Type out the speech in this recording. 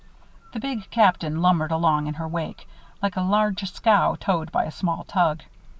The big Captain lumbered along in her wake, like a large scow towed by a small tug.